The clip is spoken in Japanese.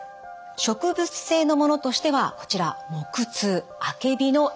植物性のものとしてはこちら木通アケビの枝です。